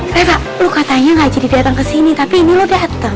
desa lu katanya gak jadi datang kesini tapi ini lo datang